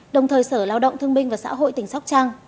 đồng thời sở lao động thương minh và xã hội tỉnh sóc trăng